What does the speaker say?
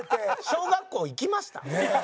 小学校行きました？